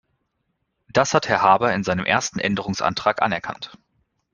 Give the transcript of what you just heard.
Das hat Herr Harbour in seinem ersten Änderungsantrag anerkannt.